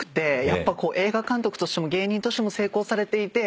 やっぱ映画監督としても芸人としても成功されていて。